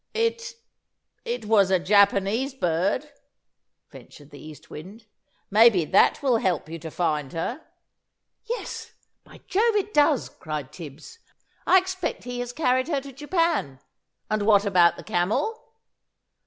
"It it was a Japanese bird," ventured the East Wind; "maybe that will help you to find her." "Yes, by Jove it does!" cried Tibbs. "I expect he has carried her to Japan. And what about the Camel?"